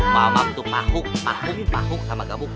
mamam tuh pahuk pahuk pahuk sama gabung